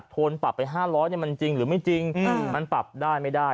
โทษปรับไป๕๐๐มันจริงหรือไม่จริงมันปรับได้ไม่ได้